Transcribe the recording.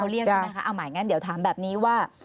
เอ้าหมายงั้นเดี๋ยวถามแบบนี้ว่า